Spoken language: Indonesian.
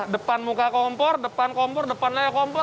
depan muka kompor depan kompor depan lainnya